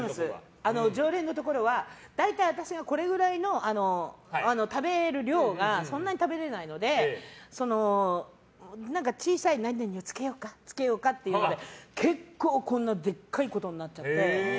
常連のところは、大体、私の食べる量がそんなに食べれないので小さい何々をつけようかって結構、でっかいことになっちゃって。